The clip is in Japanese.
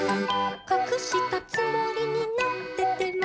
「かくしたつもりになってても」